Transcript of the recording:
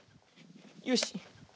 よし。